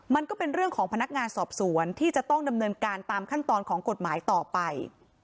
มันก็เป็นเรื่องของพนักงานสอบสวนที่จะต้องดำเนินการตามขั้นตอนของกฎหมายต่อไป